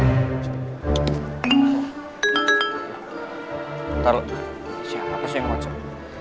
ntar siapa sih yang pocong